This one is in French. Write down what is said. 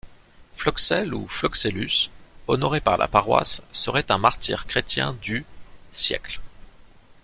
Floxel ou Floscellus, honoré par la paroisse, serait un martyr chrétien du siècle.